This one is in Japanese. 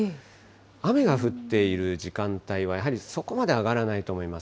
雨が降っている時間帯は、やはりそこまで上がらないと思います。